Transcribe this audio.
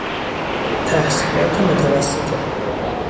تحصیلات متوسطه